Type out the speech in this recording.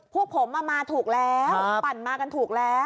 พวกผมมาถูกแล้วปั่นมากันถูกแล้ว